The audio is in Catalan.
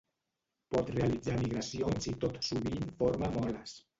Pot realitzar migracions i tot sovint forma moles.